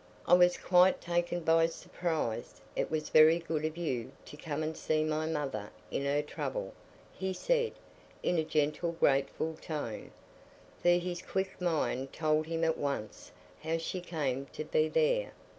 "I was quite taken by surprise; it was very good of you to come and see my mother in her trouble," he said, in a gentle grateful tone, for his quick mind told him at once how she came to be there.